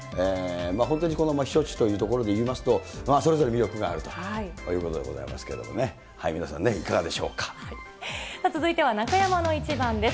本当に避暑地というところでいいますと、それぞれ魅力があるということでございますけれどもね、皆さんね、続いては中山のイチバンです。